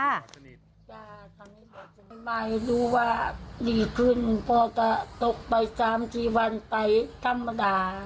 มาให้ดูว่าดีขึ้นก็จะตกไป๓๔วันไปธรรมดา